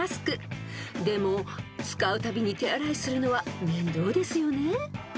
［でも使うたびに手洗いするのは面倒ですよね］